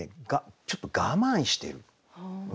ちょっと我慢してる。